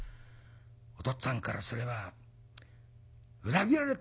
お父っつぁんからすれば裏切られたと思ったのかな。